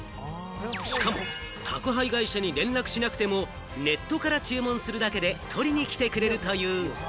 しかも宅配会社に連絡しなくても、ネットから注文するだけで取りに来てくれるという。